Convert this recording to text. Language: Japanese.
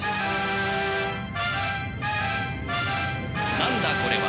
なんだこれは！